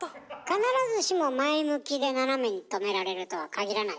必ずしも前向きで斜めにとめられるとは限らないでしょ？